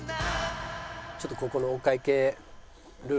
ちょっとここのお会計ルーレットで。